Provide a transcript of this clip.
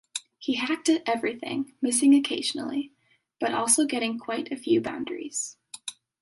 He hacked at everything, missing occasionally, but also getting quite a few boundaries.